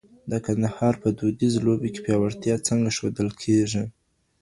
د کندهار په دودیزو لوبو کي پیاوړتیا څنګه ښودل کېږي؟